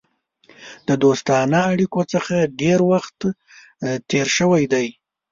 د دوستانه اړېکو څخه ډېر وخت تېر شوی دی.